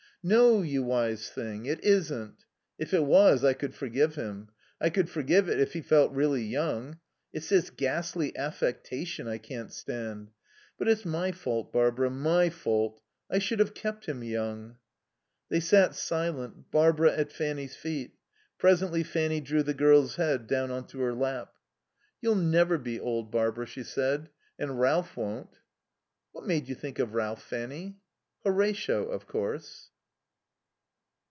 "No, you wise thing, it isn't. If it was I could forgive him. I could forgive it if he really felt young. It's this ghastly affectation I can't stand.... But it's my fault, Barbara, my fault. I should have kept him young...." They sat silent, Barbara at Fanny's feet. Presently Fanny drew the girl's head down into her lap. "You'll never be old, Barbara," she said. "And Ralph won't." "What made you think of Ralph, Fanny?" "Horatio, of course."